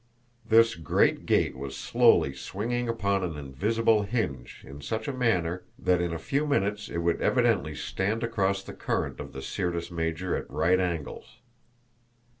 This great gate was slowly swinging upon an invisible hinge in such a manner that in a few minutes it would evidently stand across the current of the Syrtis Major at right angles.